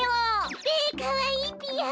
べかわいいぴよ。